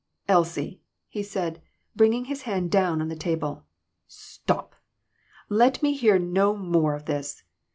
"Elsie," he said, bringing his hand down on the table, " stop ! Let me hear no more of this.